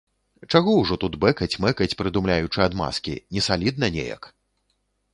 Чаго ўжо тут бэкаць-мэкаць, прыдумляючы адмазкі, несалідна неяк.